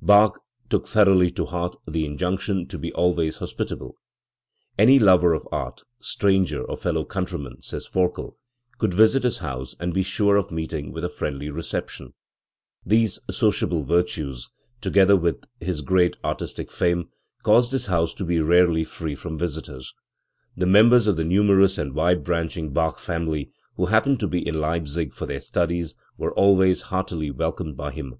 Bach took thoroughly to heart the injunction to be al ways hospitable. "Any lover of art, stranger or fellow countryman", says Forkel, u could visit his house and be sure of meeting with a friendly reception. These sociable virtues, together with his, great artistic fame, caused his house to be rarely free from visitors"*. The members of the numerous and wide branching Bach family who hap pened to be in Leipzig for their studies were always heartily welcomed by him.